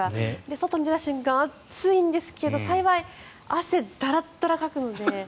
外に出た瞬間、暑いんですけど幸い、汗ダラダラかくので。